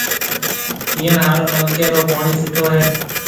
پئِيڻ هارون نلڪيَ رو پوڻِي سُٺو هيَ۔